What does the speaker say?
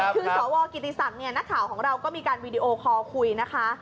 คือสวกิติศักดิ์เนี่ยนักข่าวของเราก็มีการวีดีโอคอลคุยนะคะ